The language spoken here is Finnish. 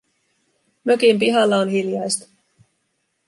Mökin pihalla on hiljaista.